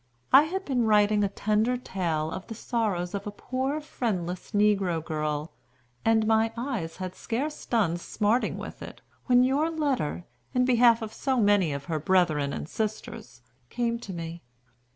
I had been writing a tender tale of the sorrows of a poor, friendless negro girl, and my eyes had scarce done smarting with it, when your letter, in behalf of so many of her brethren and sisters, came to me.